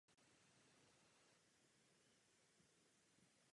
Volné a vztyčené kališní lístky jsou seřazeny do kříže.